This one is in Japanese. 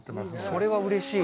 それはうれしい。